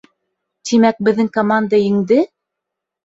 Тимәк, беҙҙең команда еңде?